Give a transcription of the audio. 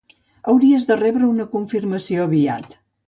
Hauries de rebre una confirmació aviat.